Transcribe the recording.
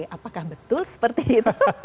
apakah betul seperti itu